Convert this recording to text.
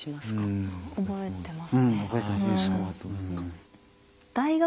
うん覚えてます。